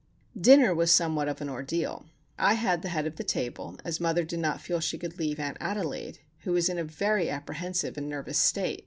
Dinner was somewhat of an ordeal. I had the head of the table, as mother did not feel she could leave Aunt Adelaide, who is in a very apprehensive and nervous state.